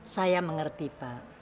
saya mengerti pak